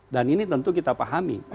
dan ini tentu kita pahami